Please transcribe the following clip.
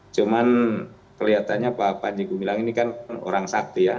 cuman kelihatannya pak panji gumilang ini kan orang sakti ya